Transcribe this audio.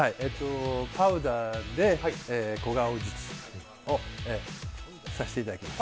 パウダー小顔にさせていただきます。